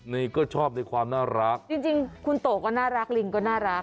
นี่ก็ชอบในความน่ารักจริงคุณโตก็น่ารักลิงก็น่ารัก